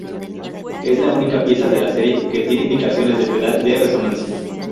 Es la única pieza de la serie que tiene indicaciones de pedal de resonancia.